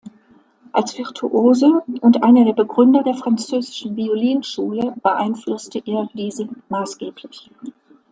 Als Virtuose und einer der Begründer der französischen Violinschule beeinflusste er diese maßgeblich.